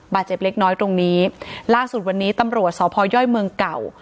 เจ็บเล็กน้อยตรงนี้ล่าสุดวันนี้ตำรวจสพย่อยเมืองเก่า